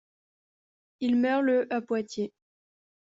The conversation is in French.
Il meurt le à Poitiers.